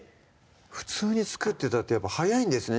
普通に作ってたってやっぱ早いんですね